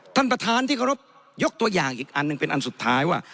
ท่านประธานที่เคารพยกตัวอย่างอีกอันหนึ่งเป็นอันสุดท้ายว่า